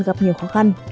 gặp nhiều khó khăn